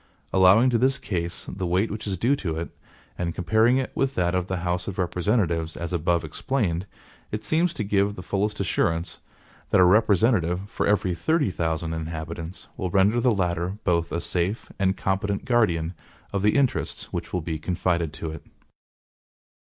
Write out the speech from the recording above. Allowing to this case the weight which is due to it, and comparing it with that of the House of Representatives as above explained it seems to give the fullest assurance, that a representative for every THIRTY THOUSAND INHABITANTS will render the latter both a safe and competent guardian of the interests which will be confided to it.